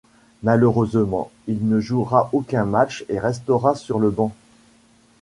Malheureusement, il ne jouera aucun match et restera sur le banc.